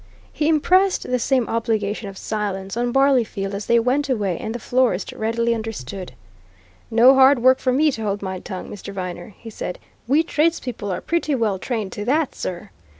He impressed the same obligation of silence on Barleyfield as they went away, and the florist readily understood. "No hard work for me to hold my tongue, Mr. Viner," he said. "We tradespeople are pretty well trained to that, sir!